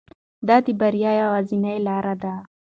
دا د بریا یوازینۍ لاره ده.